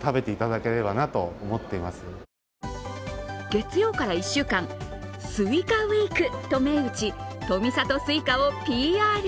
月曜から１週間、スイカウィークと銘打ち、富里すいかをＰＲ。